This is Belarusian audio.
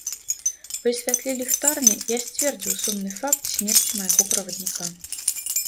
Пры святле ліхтарні я сцвердзіў сумны факт смерці майго правадніка.